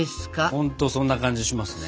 ほんとそんな感じしますね。